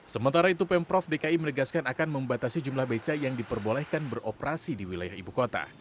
sementara itu pemprov dki menegaskan akan membatasi jumlah beca yang diperbolehkan beroperasi di wilayah ibu kota